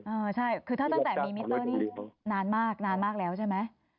อ่าใช่คือก็ตั้งแต่เป็นมีมิเบอร์นี้นานมากอยู่แล้วใช่ไหม